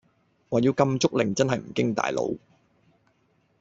話要禁足令真係唔經大腦